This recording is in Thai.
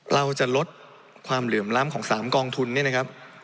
เราจะลดความเหลื่อมล้ำของ๓กองทุนเนี่ยนะครับ